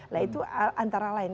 nah itu antara lain